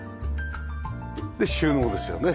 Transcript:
で収納ですよね。